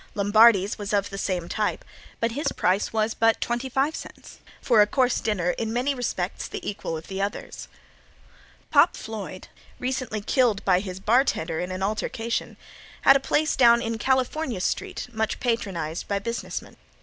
Lombardi's was of the same type but his price was but twenty five cents for a course dinner in many respects the equal of the others. Pop Floyd, recently killed by his bartender in an altercation, had a place down in California street much patronized by business men.